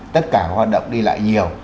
tất cả hoạt động đi lại nhiều